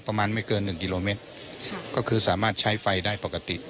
ประมาณไม่เกินหนึ่งกิโลเมตรก็คือสามารถใช้ไฟได้ปกติ